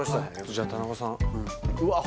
じゃ田中さんうわっ！